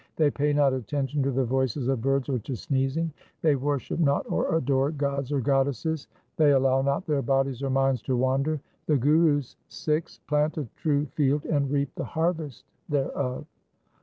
They pay not attention to the voices of birds or to sneezing. They worship not or adore gods or goddesses. They allow not their bodies or minds to wander. The Guru's Sikhs plant a true field and reap the harvest thereof.